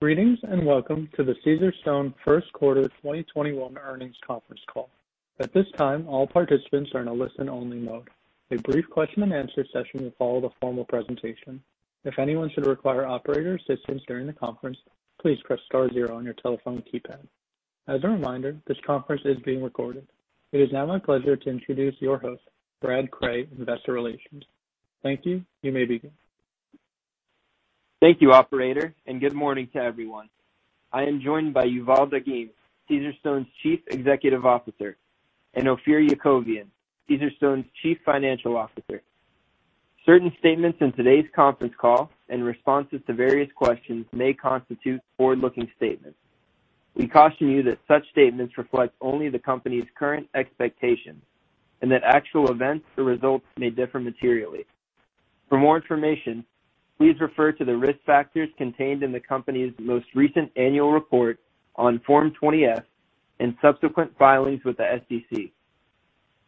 Greetings, and welcome to the Caesarstone first quarter 2021 earnings conference call. At this time, all participants are in a listen-only mode. A brief question and answer session will follow the formal presentation. If anyone should require operator assistance during the conference, please press star zero on your telephone keypad. As a reminder, this conference is being recorded. It is now my pleasure to introduce your host, Brad Cray, Investor Relations. Thank you. You may begin. Thank you, operator, and good morning to everyone. I am joined by Yuval Dagim, Caesarstone's Chief Executive Officer, and Ophir Yakovian, Caesarstone's Chief Financial Officer. Certain statements in today's conference call and responses to various questions may constitute forward-looking statements. We caution you that such statements reflect only the company's current expectations, and that actual events or results may differ materially. For more information, please refer to the risk factors contained in the company's most recent annual report on Form 20-F and subsequent filings with the SEC.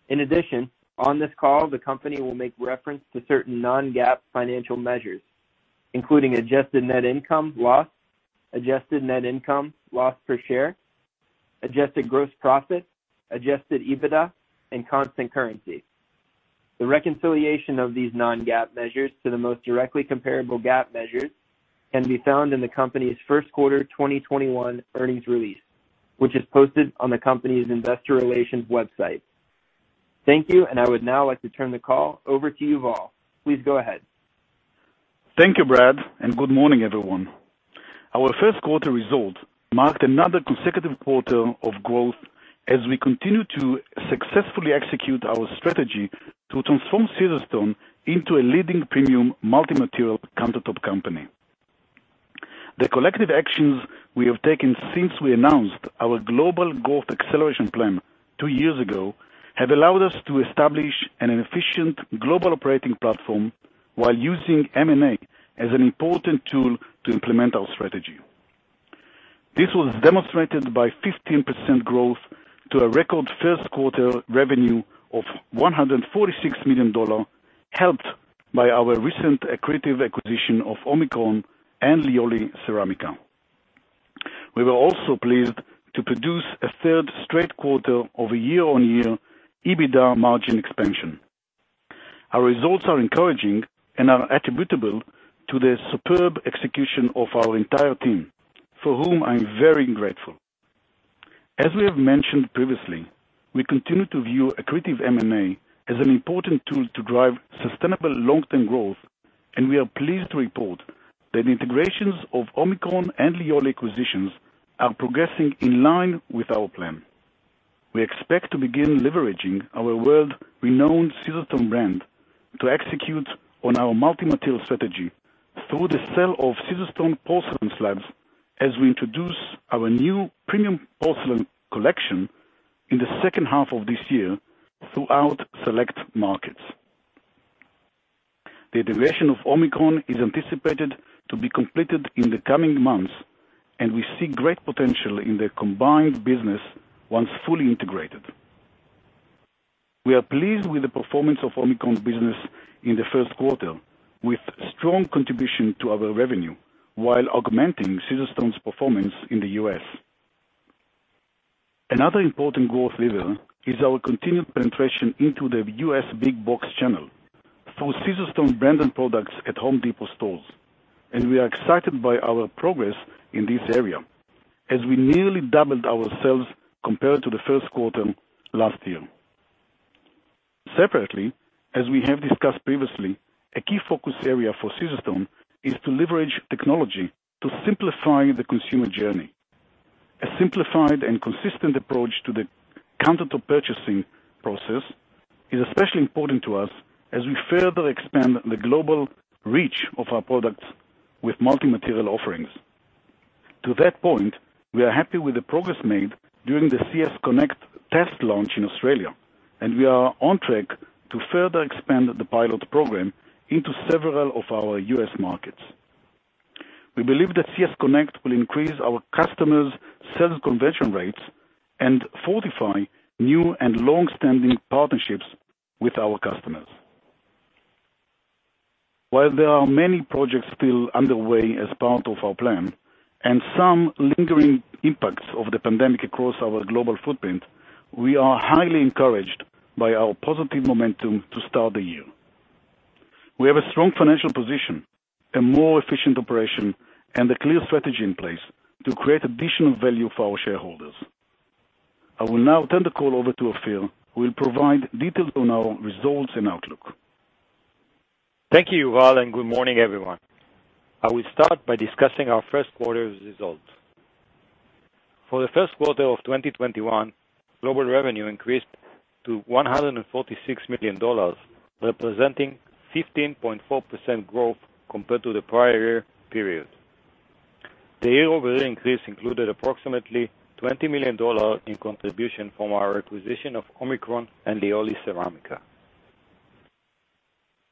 In addition, on this call, the company will make reference to certain non-GAAP financial measures, including adjusted net income loss, adjusted net income loss per share, adjusted gross profit, adjusted EBITDA, and constant currency. The reconciliation of these non-GAAP measures to the most directly comparable GAAP measures can be found in the company's first quarter 2021 earnings release, which is posted on the company's investor relations website. Thank you, I would now like to turn the call over to Yuval. Please go ahead. Thank you, Brad, and good morning, everyone. Our first quarter result marked another consecutive quarter of growth as we continue to successfully execute our strategy to transform Caesarstone into a leading premium multi-material countertop company. The collective actions we have taken since we announced our global growth acceleration plan two years ago have allowed us to establish an efficient global operating platform while using M&A as an important tool to implement our strategy. This was demonstrated by 15% growth to a record first quarter revenue of $146 million, helped by our recent accretive acquisition of Omicron and Lioli Ceramica. We were also pleased to produce a third straight quarter of a year-on-year EBITDA margin expansion. Our results are encouraging and are attributable to the superb execution of our entire team, for whom I'm very grateful. As we have mentioned previously, we continue to view accretive M&A as an important tool to drive sustainable long-term growth, and we are pleased to report that integrations of Omicron and Lioli acquisitions are progressing in line with our plan. We expect to begin leveraging our world-renowned Caesarstone brand to execute on our multi-material strategy through the sale of Caesarstone porcelain slabs as we introduce our new premium porcelain collection in the second half of this year throughout select markets. The integration of Omicron is anticipated to be completed in the coming months, and we see great potential in the combined business once fully integrated. We are pleased with the performance of Omicron's business in the first quarter, with strong contribution to our revenue while augmenting Caesarstone's performance in the U.S. Another important growth lever is our continued penetration into the U.S. big box channel through Caesarstone branded products at The Home Depot stores, and we are excited by our progress in this area, as we nearly doubled our sales compared to the first quarter last year. Separately, as we have discussed previously, a key focus area for Caesarstone is to leverage technology to simplify the consumer journey. A simplified and consistent approach to the countertop purchasing process is especially important to us as we further expand the global reach of our products with multi-material offerings. To that point, we are happy with the progress made during the CS Connect test launch in Australia, and we are on track to further expand the pilot program into several of our U.S. markets. We believe that CS Connect will increase our customers' sales conversion rates and fortify new and long-standing partnerships with our customers. While there are many projects still underway as part of our plan and some lingering impacts of the pandemic across our global footprint, we are highly encouraged by our positive momentum to start the year. We have a strong financial position, a more efficient operation, and a clear strategy in place to create additional value for our shareholders. I will now turn the call over to Ophir, who will provide details on our results and outlook. Thank you, Yuval, and good morning, everyone. I will start by discussing our first quarter's results. For the first quarter of 2021, global revenue increased to $146 million, representing 15.4% growth compared to the prior year period. The year-over-year increase included approximately $20 million in contribution from our acquisition of Omicron and Lioli Ceramica.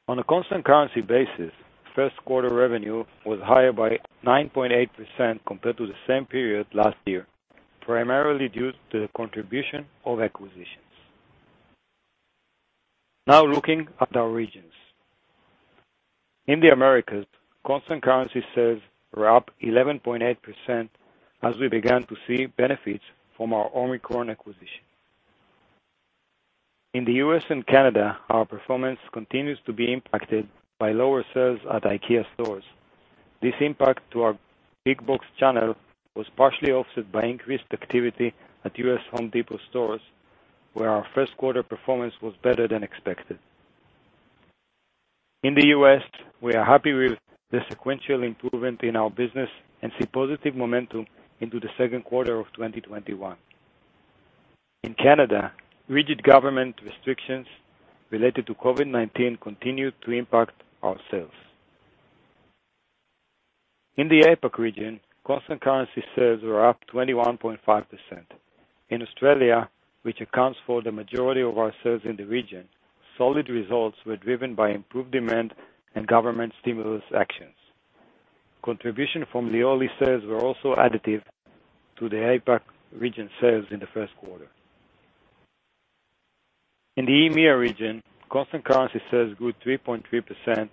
On a constant currency basis, first-quarter revenue was higher by 9.8% compared to the same period last year, primarily due to the contribution of acquisitions. Now looking at our regions. In the Americas, constant currency sales were up 11.8% as we began to see benefits from our Omicron acquisition. In the U.S. and Canada, our performance continues to be impacted by lower sales at IKEA stores. This impact to our big box channel was partially offset by increased activity at U.S. Home Depot stores, where our first quarter performance was better than expected. In the U.S., we are happy with the sequential improvement in our business and see positive momentum into the second quarter of 2021. In Canada, rigid government restrictions related to COVID-19 continued to impact our sales. In the APAC region, constant currency sales were up 21.5%. In Australia, which accounts for the majority of our sales in the region, solid results were driven by improved demand and government stimulus actions. Contribution from Lioli sales were also additive to the APAC region sales in the first quarter. In the EMEA region, constant currency sales grew 3.3%.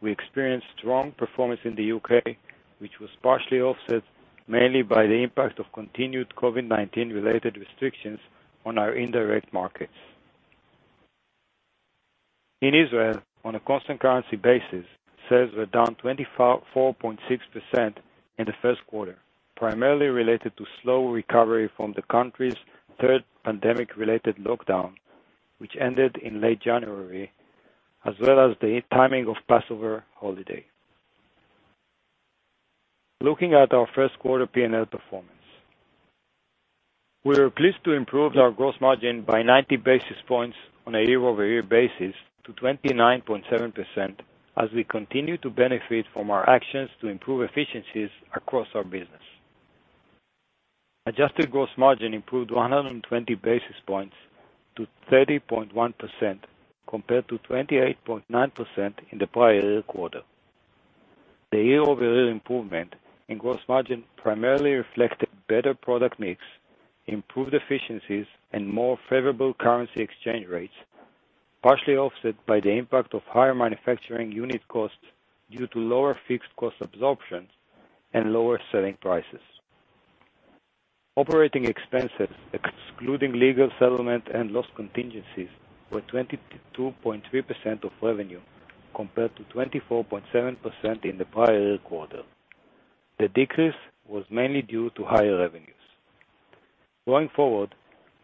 We experienced strong performance in the U.K., which was partially offset mainly by the impact of continued COVID-19 related restrictions on our indirect markets. In Israel, on a constant currency basis, sales were down 24.6% in the first quarter, primarily related to slow recovery from the country's third pandemic-related lockdown, which ended in late January, as well as the timing of Passover holiday. Looking at our first quarter P&L performance. We are pleased to improve our gross margin by 90 basis points on a year-over-year basis to 29.7% as we continue to benefit from our actions to improve efficiencies across our business. Adjusted gross margin improved 120 basis points to 30.1%, compared to 28.9% in the prior year quarter. The year-over-year improvement in gross margin primarily reflected better product mix, improved efficiencies, and more favorable currency exchange rates, partially offset by the impact of higher manufacturing unit costs due to lower fixed cost absorption and lower selling prices. Operating expenses, excluding legal settlement and loss contingencies, were 22.3% of revenue, compared to 24.7% in the prior year quarter. The decrease was mainly due to higher revenues. Going forward,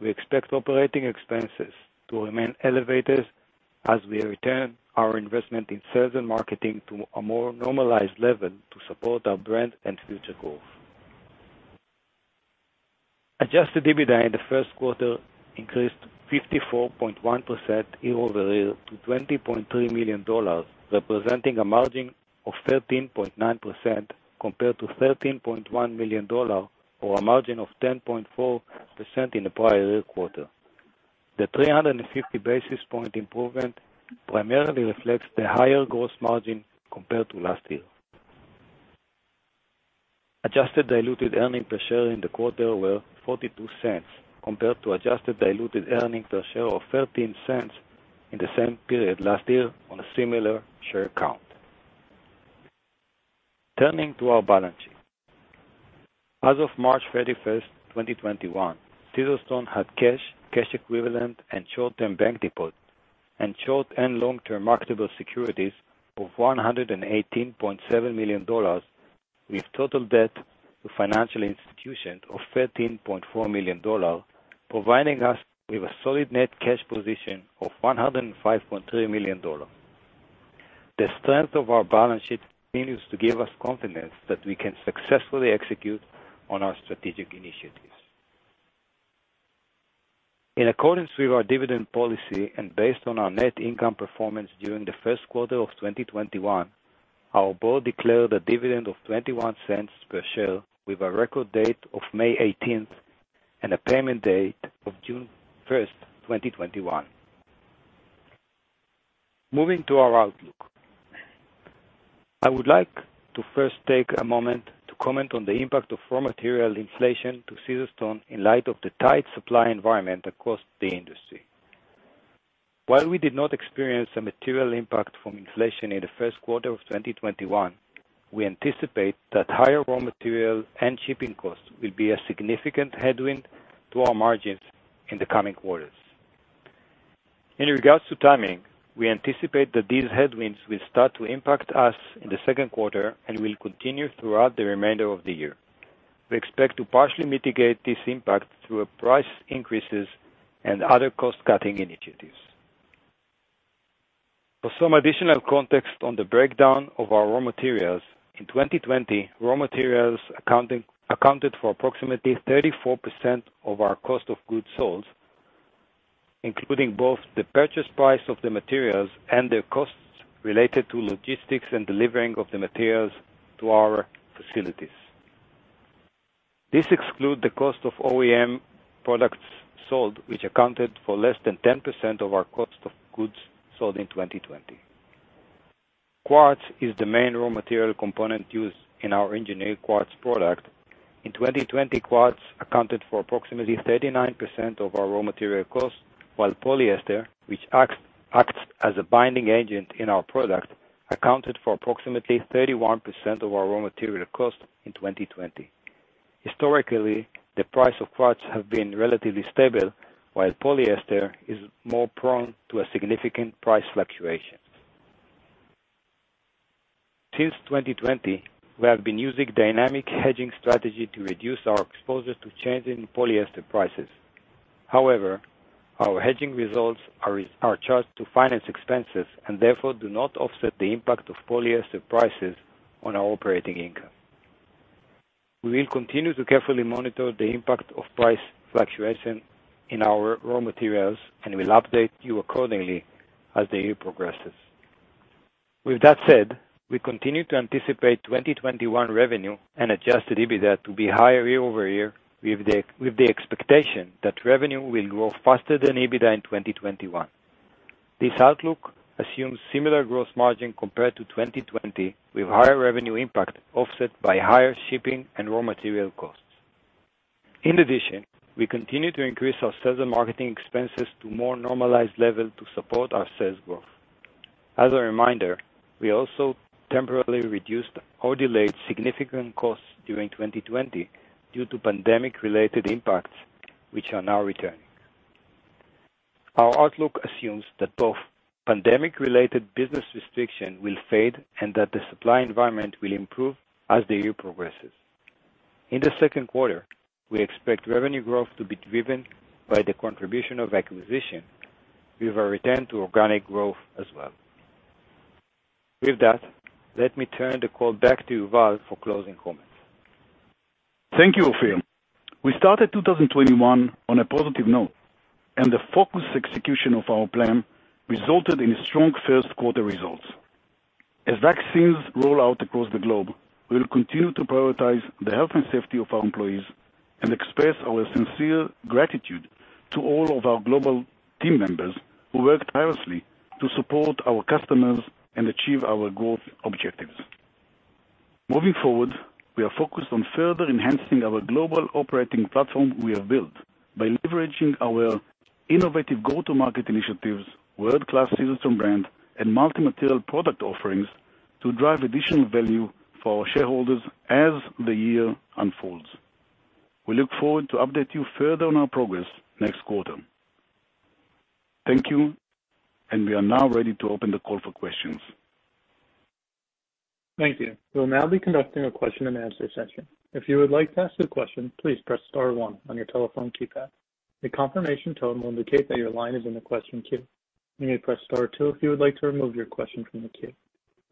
we expect operating expenses to remain elevated as we return our investment in sales and marketing to a more normalized level to support our brand and future growth. Adjusted EBITDA in the first quarter increased 54.1% year-over-year to $20.3 million, representing a margin of 13.9%, compared to $13.1 million or a margin of 10.4% in the prior year quarter. The 350 basis point improvement primarily reflects the higher gross margin compared to last year. Adjusted diluted earnings per share in the quarter were $0.42, compared to adjusted diluted earnings per share of $0.13 in the same period last year on a similar share count. Turning to our balance sheet. As of March 31st, 2021, Caesarstone had cash equivalent, and short-term bank deposits, and short and long-term marketable securities of $118.7 million, with total debt to financial institutions of $13.4 million, providing us with a solid net cash position of $105.3 million. The strength of our balance sheet continues to give us confidence that we can successfully execute on our strategic initiatives. In accordance with our dividend policy and based on our net income performance during the first quarter of 2021, our board declared a dividend of $0.21 per share with a record date of May 18th and a payment date of June 1st, 2021. Moving to our outlook. I would like to first take a moment to comment on the impact of raw material inflation to Caesarstone in light of the tight supply environment across the industry. While we did not experience a material impact from inflation in the first quarter of 2021, we anticipate that higher raw material and shipping costs will be a significant headwind to our margins in the coming quarters. In regards to timing, we anticipate that these headwinds will start to impact us in the second quarter and will continue throughout the remainder of the year. We expect to partially mitigate this impact through price increases and other cost-cutting initiatives. For some additional context on the breakdown of our raw materials, in 2020, raw materials accounted for approximately 34% of our cost of goods sold, including both the purchase price of the materials and the costs related to logistics and delivering of the materials to our facilities. This excludes the cost of OEM products sold, which accounted for less than 10% of our cost of goods sold in 2020. Quartz is the main raw material component used in our engineered quartz product. In 2020, quartz accounted for approximately 39% of our raw material cost, while polyester, which acts as a binding agent in our product, accounted for approximately 31% of our raw material cost in 2020. Historically, the price of quartz has been relatively stable, while polyester is more prone to significant price fluctuations. Since 2020, we have been using dynamic hedging strategy to reduce our exposure to changing polyester prices. However, our hedging results are charged to finance expenses, and therefore do not offset the impact of polyester prices on our operating income. We will continue to carefully monitor the impact of price fluctuation in our raw materials and will update you accordingly as the year progresses. With that said, we continue to anticipate 2021 revenue and adjusted EBITDA to be higher year over year with the expectation that revenue will grow faster than EBITDA in 2021. This outlook assumes similar gross margin compared to 2020, with higher revenue impact offset by higher shipping and raw material costs. In addition, we continue to increase our sales and marketing expenses to more normalized level to support our sales growth. As a reminder, we also temporarily reduced or delayed significant costs during 2020 due to pandemic-related impacts, which are now returning. Our outlook assumes that both pandemic-related business restriction will fade and that the supply environment will improve as the year progresses. In the second quarter, we expect revenue growth to be driven by the contribution of acquisition with a return to organic growth as well. With that, let me turn the call back to Yuval for closing comments. Thank you, Ophir. We started 2021 on a positive note, and the focused execution of our plan resulted in strong first quarter results. As vaccines roll out across the globe, we will continue to prioritize the health and safety of our employees and express our sincere gratitude to all of our global team members who work tirelessly to support our customers and achieve our growth objectives. Moving forward, we are focused on further enhancing our global operating platform we have built by leveraging our innovative go-to-market initiatives, world-class Caesarstone brand, and multi-material product offerings to drive additional value for our shareholders as the year unfolds. We look forward to update you further on our progress next quarter. Thank you, and we are now ready to open the call for questions. Thank you. We'll now be conducting a question and answer session. If you would like to ask a question, please press star one on your telephone keypad. A confirmation tone will indicate that your line is in the question queue. You may press star two if you would like to remove your question from the queue.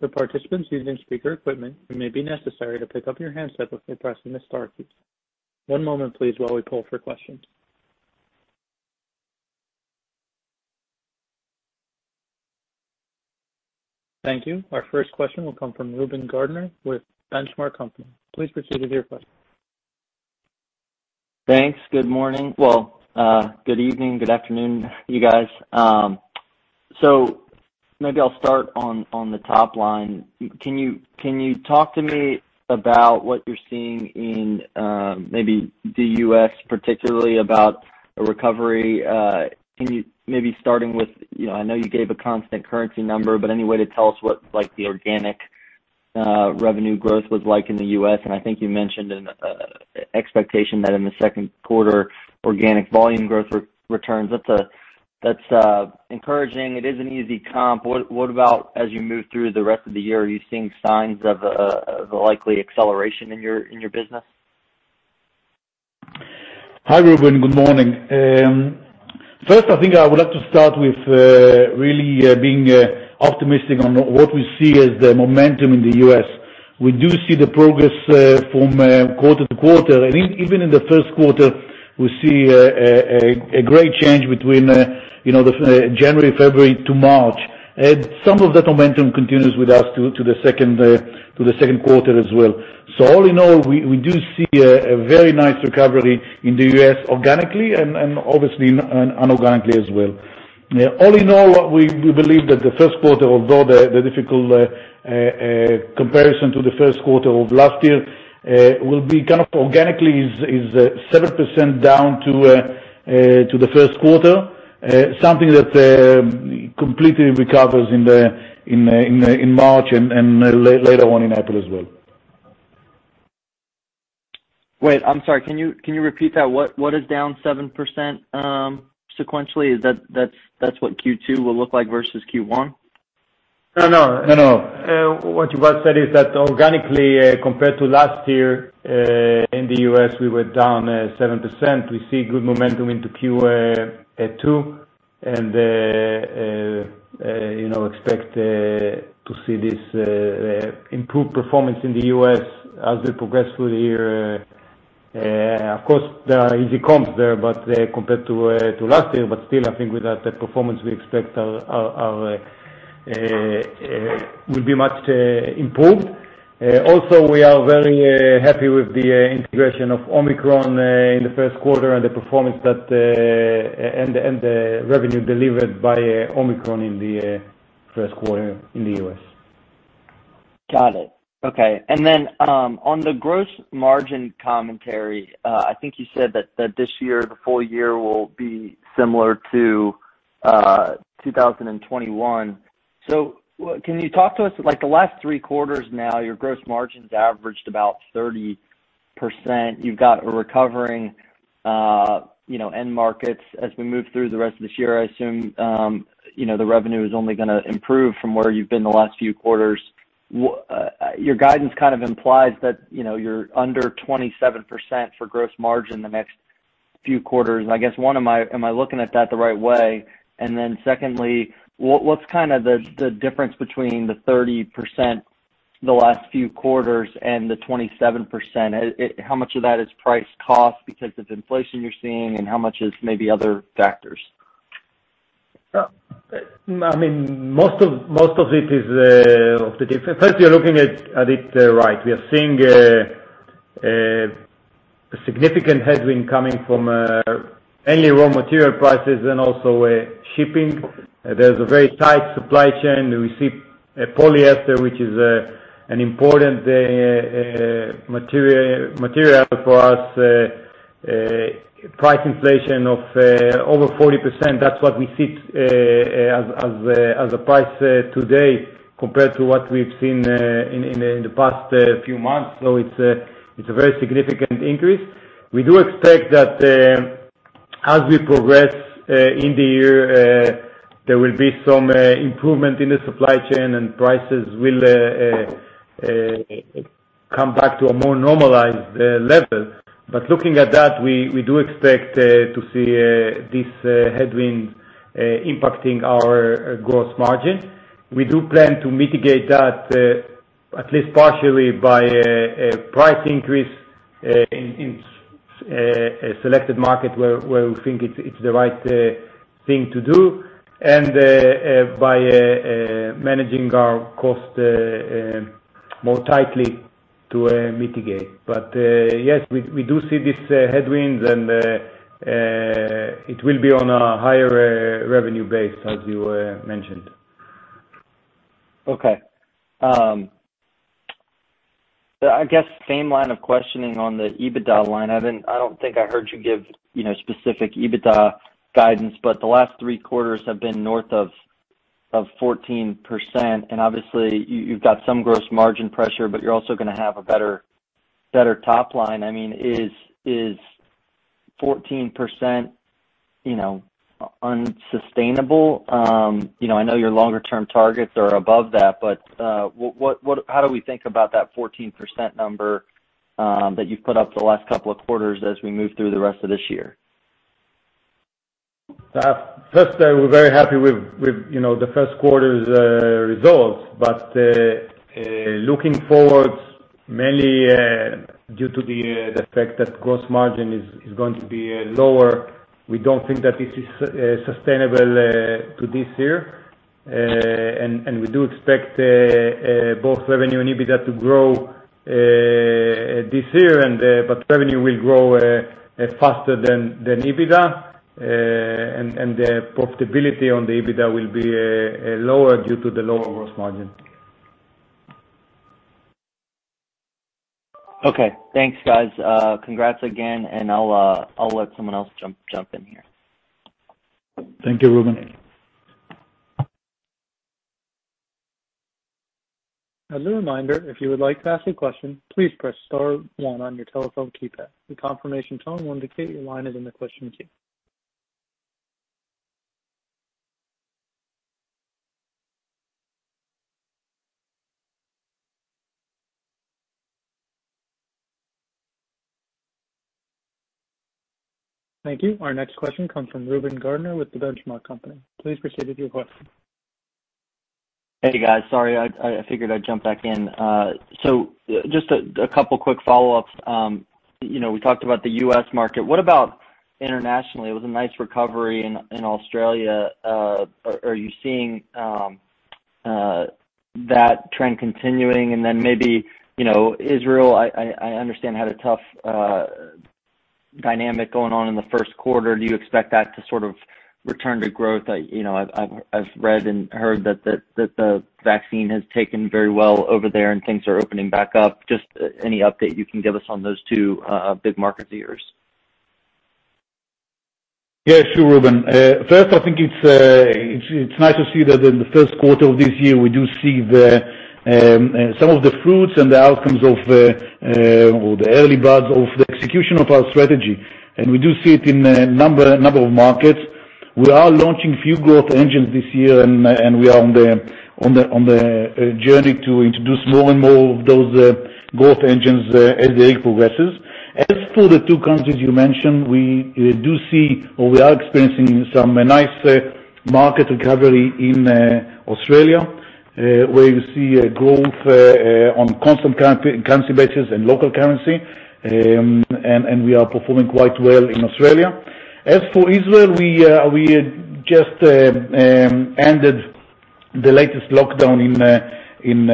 For participants using speaker equipment, it may be necessary to pick up your handset before pressing the star key. One moment, please, while we pull for questions. Thank you. Our first question will come from Reuben Garner with The Benchmark Company. Please proceed with your question. Thanks. Good morning. Well, good evening, good afternoon, you guys. Maybe I'll start on the top line. Can you talk to me about what you're seeing in maybe the U.S., particularly about a recovery? Maybe starting with, I know you gave a constant currency number, but any way to tell us what the organic revenue growth was like in the U.S.? I think you mentioned an expectation that in the second quarter, organic volume growth returns. That's encouraging. It is an easy comp. What about as you move through the rest of the year? Are you seeing signs of the likely acceleration in your business? Hi, Reuben. Good morning. First, I think I would like to start with really being optimistic on what we see as the momentum in the U.S. We do see the progress from quarter to quarter. Even in the first quarter, we see a great change between January, February to March. Some of that momentum continues with us to the second quarter as well. All in all, we do see a very nice recovery in the U.S. organically and obviously inorganically as well. All in all, we believe that the first quarter, although the difficult comparison to the first quarter of last year, will be kind of organically is 7% down to the first quarter. Something that completely recovers in March and later on in April as well. Wait, I'm sorry. Can you repeat that? What is down 7% sequentially? Is that's what Q2 will look like versus Q1? No, no. What Yuval said is that organically, compared to last year, in the U.S., we were down 7%. We see good momentum into Q2 and expect to see this improved performance in the U.S. as we progress through the year. Of course, there are easy comps there, but compared to last year, but still, I think with that performance, we expect will be much improved. We are very happy with the integration of Omicron in the first quarter and the performance and the revenue delivered by Omicron in the first quarter in the U.S. Got it. Okay. On the gross margin commentary, I think you said that this year, the full year will be similar to 2021. Can you talk to us, like, the last three quarters now, your gross margins averaged about 30%? You've got a recovering end markets. As we move through the rest of this year, I assume, the revenue is only going to improve from where you've been the last few quarters. Your guidance kind of implies that you're under 27% for gross margin the next few quarters, and I guess, one, am I looking at that the right way? Secondly, what's kind of the difference between the 30% the last few quarters and the 27%? How much of that is price cost because of inflation you're seeing, and how much is maybe other factors? First, you're looking at it right. We are seeing a significant headwind coming from, A, raw material prices and also shipping. There's a very tight supply chain. We see polyester, which is an important material for us, price inflation of over 40%. That's what we see as a price today compared to what we've seen in the past few months. It's a very significant increase. We do expect that as we progress in the year, there will be some improvement in the supply chain, and prices will come back to a more normalized level. Looking at that, we do expect to see this headwind impacting our gross margin. We do plan to mitigate that, at least partially, by price increase in selected market where we think it's the right thing to do, and by managing our cost more tightly to mitigate. Yes, we do see these headwinds, and it will be on a higher revenue base, as you mentioned. Okay. I guess same line of questioning on the EBITDA line. I don't think I heard you give specific EBITDA guidance, but the last three quarters have been north of 14%, and obviously, you've got some gross margin pressure, but you're also going to have a better top line. Is 14% unsustainable? I know your longer-term targets are above that, but how do we think about that 14% number that you've put up the last couple of quarters as we move through the rest of this year? We're very happy with the first quarter's results. Looking forward, mainly due to the fact that gross margin is going to be lower, we don't think that it is sustainable to this year. We do expect both revenue and EBITDA to grow this year, but revenue will grow faster than EBITDA, and the profitability on the EBITDA will be lower due to the lower gross margin. Okay. Thanks, guys. Congrats again. I'll let someone else jump in here. Thank you, Reuben. As a reminder, if you would like to ask a question, please press star one on your telephone keypad. A confirmation tone will indicate your line is in the question queue. Thank you. Our next question comes from Reuben Garner with The Benchmark Company. Please proceed with your question. Hey, guys. Sorry, I figured I'd jump back in. Just a couple quick follow-ups. We talked about the U.S. market. What about internationally? It was a nice recovery in Australia. Are you seeing that trend continuing? Maybe Israel, I understand, had a tough dynamic going on in the first quarter. Do you expect that to sort of return to growth? I've read and heard that the vaccine has taken very well over there, and things are opening back up. Just any update you can give us on those two big markets of yours. Yeah, sure, Reuben. First, I think it's nice to see that in the first quarter of this year, we do see some of the fruits and the outcomes of the early buds of the execution of our strategy, and we do see it in a number of markets. We are launching a few growth engines this year, and we are on the journey to introduce more and more of those growth engines as the year progresses. As for the two countries you mentioned, we do see or we are experiencing some nice market recovery in Australia, where you see growth on constant currency basis and local currency, and we are performing quite well in Australia. As for Israel, we just ended the latest lockdown in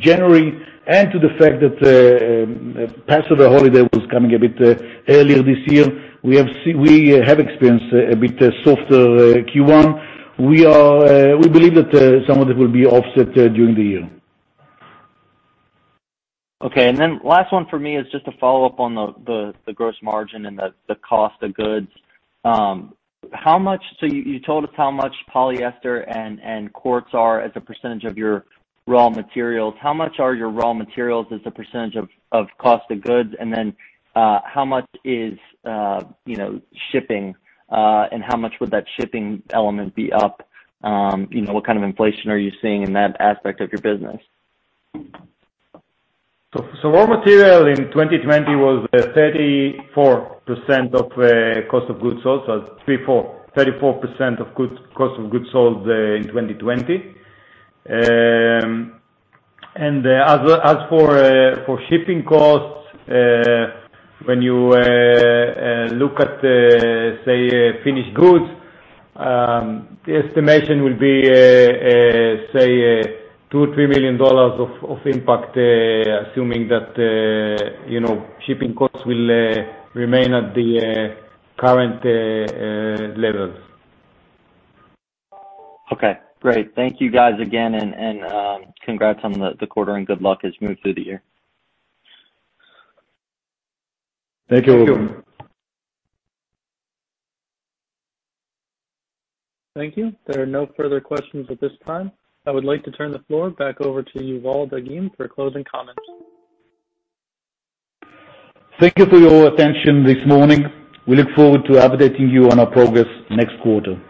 January, and to the fact that Passover holiday was coming a bit earlier this year, we have experienced a bit softer Q1. We believe that some of it will be offset during the year. Okay. Last one for me is just a follow-up on the gross margin and the cost of goods. You told us how much polyester and quartz are as a % of your raw materials. How much are your raw materials as a % of cost of goods? How much is shipping? How much would that shipping element be up? What kind of inflation are you seeing in that aspect of your business? Raw material in 2020 was 34% of cost of goods sold, it's 34% of cost of goods sold in 2020. As for shipping costs, when you look at, say, finished goods, the estimation will be, say, $2 million or $3 million of impact, assuming that shipping costs will remain at the current levels. Okay, great. Thank you guys again. Congrats on the quarter. Good luck as you move through the year. Thank you. Thank you. There are no further questions at this time. I would like to turn the floor back over to Yuval Dagim for closing comments. Thank you for your attention this morning. We look forward to updating you on our progress next quarter.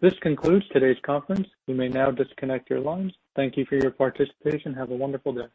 This concludes today's conference. You may now disconnect your lines. Thank you for your participation. Have a wonderful day.